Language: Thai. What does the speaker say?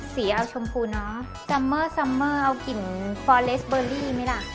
สีเอาชมพูเนอะซัมเมอร์ซัมเมอร์เอากลิ่นฟอเลสเบอร์รี่ไหมล่ะ